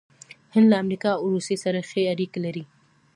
هند له امریکا او روسیې سره ښې اړیکې لري.